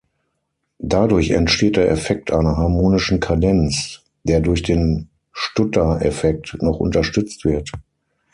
Dadurch entsteht der Effekt einer harmonischen Kadenz, der durch den Stutter-Effekt noch unterstützt wird.